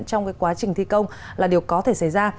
trong quá trình thi công là điều có thể xảy ra